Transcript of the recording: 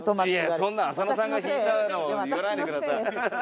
そんな浅野さんが引いたのを言わないでください。